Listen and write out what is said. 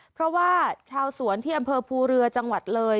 เพราะว่าชาวสวนที่อำเภอภูเรือจังหวัดเลย